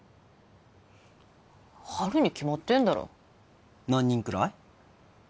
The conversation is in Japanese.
あるに決まってんだろ何人くらい？